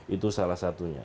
itu salah satunya